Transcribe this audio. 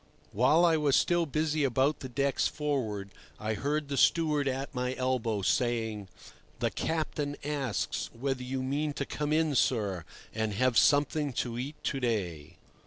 While I was still busy about the decks forward I heard the steward at my elbow saying: "The captain asks whether you mean to come in, sir, and have something to eat to day."